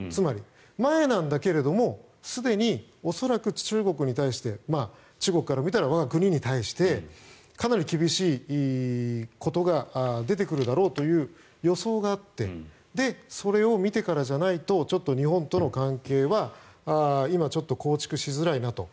前なんだけどすでに恐らく中国に対して中国から見たら我が国に対してかなり厳しいことが出てくるだろうという予想があってそれを見てからじゃないと日本との関係は今ちょっと構築しづらいなと。